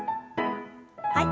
はい。